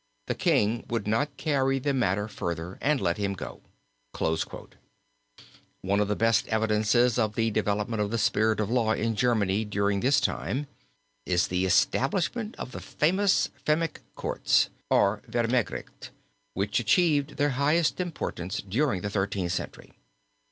The king would not carry the matter further, and let him go." One of the best evidences of the development of the spirit of law in Germany during this time is the establishment of the famous Fehmic Courts, or Vehmgerichte, which achieved their highest importance during the Thirteenth Century.